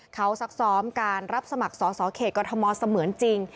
เขาซักซ้อมการรับสมัครสอสอเขตกรทมเสมือนจริง